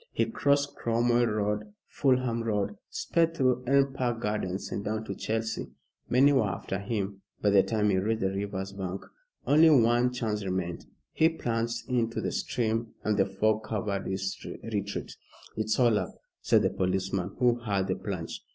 He crossed Cromwell Road, Fulham Road, sped through Elm Park Gardens, and down to Chelsea. Many were after him by the time he reached the river's bank. Only one chance remained. He plunged into the stream and the fog covered his retreat. "It's all up," said the policeman, who heard the plunge.